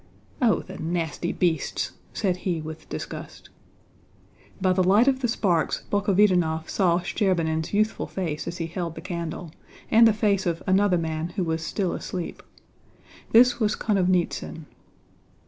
"Oh, the nasty beasts!" said he with disgust. By the light of the sparks Bolkhovítinov saw Shcherbínin's youthful face as he held the candle, and the face of another man who was still asleep. This was Konovnítsyn.